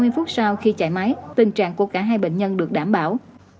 ba mươi phút sau khi chạy máy tình trạng của cả hai bệnh nhân được đảm bảo